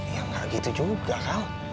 ya gak gitu juga kal